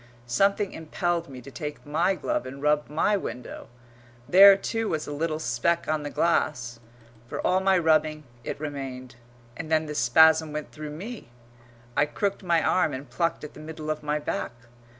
Something impelled me to take my glove and rub my window. There, too, was a little speck on the glass. For all my rubbing it remained. And then the spasm went through me; I crooked my arm and plucked at the middle of my back.